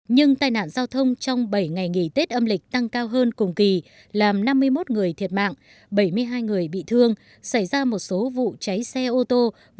nhưng tai nạn giao thông trong bảy ngày nghỉ tết âm lịch tăng cao hơn cùng kỳ làm năm mươi một người thiệt mạng bảy mươi hai người bị thương xảy ra một số vụ cháy xe ô tô